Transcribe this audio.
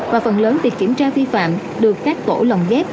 và phần lớn việc kiểm tra phi phạm được các tổ lòng ghép